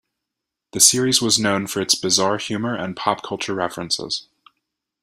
The series was known for its bizarre humor and pop-culture references.